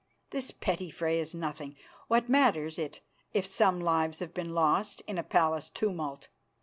This petty fray is nothing. What matters it if some lives have been lost in a palace tumult?